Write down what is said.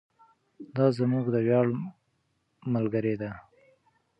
دا زموږ د ویاړ ملګرې ده.